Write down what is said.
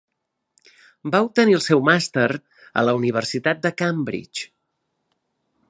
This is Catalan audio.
Va obtenir el seu màster a la Universitat de Cambridge.